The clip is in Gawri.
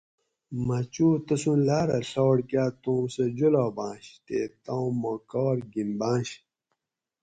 مہۤ چو تسُوں لاۤرہ ڷاٹ کاۤ توم سہۤ جولاۤباۤنش تے تام ما کاۤر گِنباۤںش